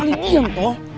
ali diam toh